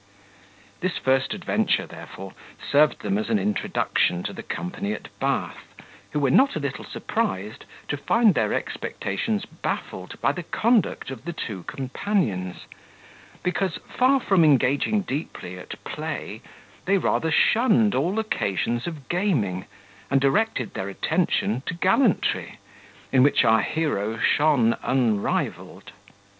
This first adventure, therefore, served them as an introduction to the company at Bath, who were not a little surprised to find their expectations baffled by the conduct of the two companions; because, far from engaging deeply at play, they rather shunned all occasions of gaming, and directed their attention to gallantry, in which our hero shone unrivalled.